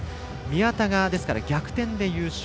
宮田が逆転で優勝。